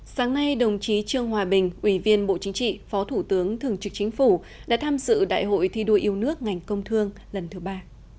sáng nay đồng chí trương hòa bình ủy viên bộ chính trị phó thủ tướng thường trực chính phủ đã tham dự đại hội thi đua yêu nước ngành công thương lần thứ ba